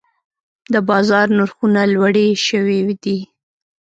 د بازار نرخونه لوړې شوي دي.